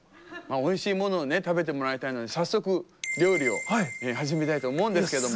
おいしいものをね食べてもらいたいので早速料理を始めたいと思うんですけども。